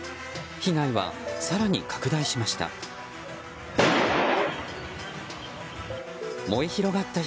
被害は更に拡大しました。